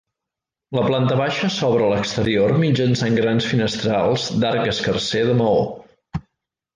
La planta baixa s'obre a l'exterior mitjançant grans finestrals d'arc escarser de maó.